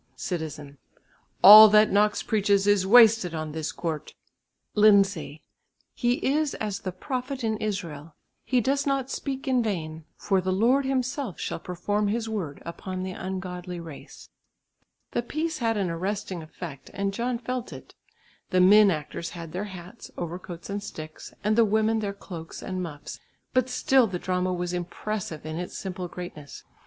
Citizen. "All that Knox preaches is wasted on this court." Lindsay. "He is as the prophet in Israel, he does not speak in vain; for the Lord Himself shall perform His word upon the ungodly race." The piece had an arresting effect, and John felt it. The men actors had their hats, overcoats and sticks, and the women their cloaks and muffs, but still the drama was impressive in its simple greatness.